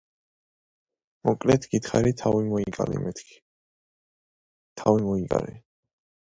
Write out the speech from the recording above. Tokashiki Island is connected to Tomari Port in Naha by ferry.